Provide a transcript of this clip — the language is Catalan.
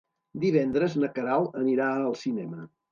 Divendres na Queralt anirà al cinema.